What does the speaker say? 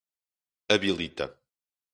habilita